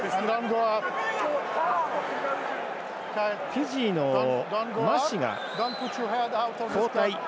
フィジーのマシが交代。